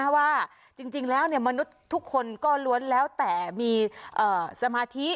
ว่าจริงแล้วมนุษย์ทุกคนก็ล้วนแล้วแต่มีสมาธิ